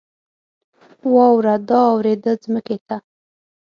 واوره را اوورېده ځمکې ته